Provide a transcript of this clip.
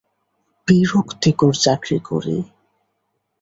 বিরক্তিকর চাকরি করি।